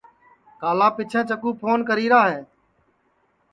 کالا پیچھیںٚس چکُو پھون کری را ہے